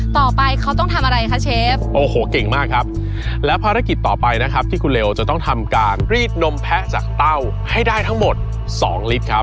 ต่อไปเขาต้องทำอะไรคะเชฟโอ้โหเก่งมากครับแล้วภารกิจต่อไปนะครับที่คุณเลวจะต้องทำการรีดนมแพะจากเต้าให้ได้ทั้งหมดสองลิตรครับ